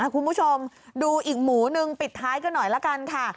คุณผู้ชมดูอีกหมูหนึ่งปิดท้ายกันหน่อยละกันค่ะ